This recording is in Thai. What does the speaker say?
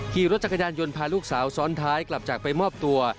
ขี่รถจักรยานยนต์พาลูกสาวซ้อนท้ายกลับจากไปมอบตัว